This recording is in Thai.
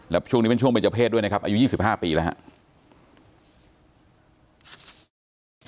แล้วช่วงนี้เป็นช่วงเป็นเจ้าเพศด้วยนะครับอายุ๒๕ปีแล้วครับ